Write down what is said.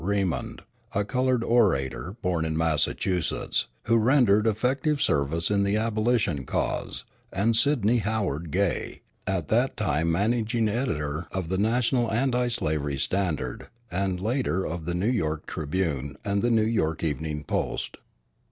Remond, a colored orator, born in Massachusetts, who rendered effective service in the abolition cause; and Sidney Howard Gay, at that time managing editor of the National Anti slavery Standard and later of the New York Tribune and the New York _Evening Post.